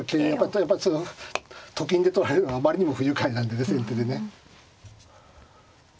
やっぱりそうと金で取られるのはあまりにも不愉快なんでね先手でね。